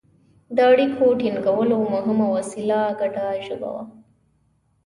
د اړیکو ټینګولو مهمه وسیله ګډه ژبه وه.